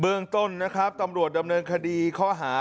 เรื่องต้นนะครับตำรวจดำเนินคดีข้อหา